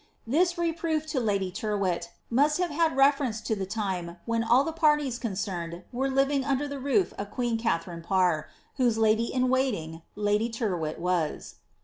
"' This reproof to lady Tyrwhit must have had reference to the time when all the patties concerned were living under the roof of queen Katharine Parr, whose lady in waiting lady Tyrwhit was.